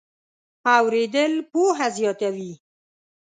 اورېدل پوهه زیاتوي.